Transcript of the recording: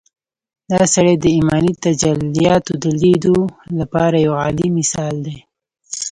دا سړی د ايماني تجلياتود ليدو لپاره يو اعلی مثال دی.